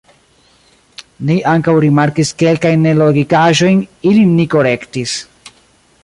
Ni ankaŭ rimarkis kelkajn nelogikaĵojn ilin ni korektis.